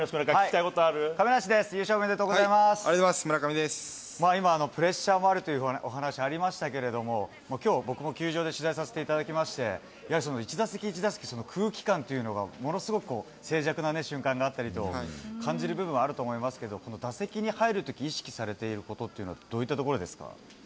亀梨君、亀梨です、優勝おめでとうごありがとうございます、今、プレッシャーもあるというお話ありましたけれども、きょう、僕も球場で取材させていただきまして、やはり一打席一打席、空気感というのが、ものすごく、静寂な瞬間があったりと、感じる部分はあると思いますけれども、この打席に入るとき、意識されてることっていうのは、どういったところですか？